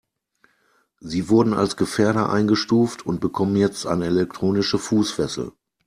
Sie wurden als Gefährder eingestuft und bekommen jetzt eine elektronische Fußfessel.